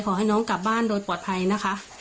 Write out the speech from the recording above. ขอให้น้องกลับบ้านโดยปลอดภัยนะคะ